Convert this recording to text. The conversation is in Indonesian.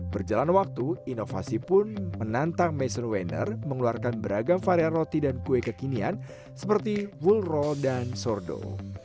berjalan waktu inovasi pun menantang maession wenner mengeluarkan beragam varian roti dan kue kekinian seperti wool roll dan sordo